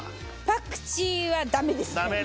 パクチーはダメですね。